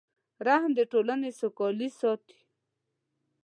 رحم د ټولنې سوکالي ساتي.